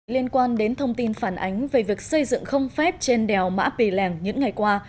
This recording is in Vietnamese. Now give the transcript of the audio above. liên quan đến thông tin phản ánh về việc xây dựng không phép trên đèo mã pì lèng những ngày qua